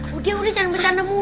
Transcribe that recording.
lu berdua kesana ayah kesitu